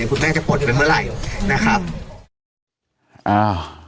คุณแม่จะปลดไปเมื่อไหร่นะครับอ่า